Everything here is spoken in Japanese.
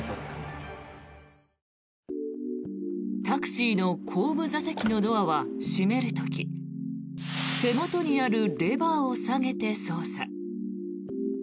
タクシーの後部座席のドアは閉める時手元にあるレバーを下げて操作。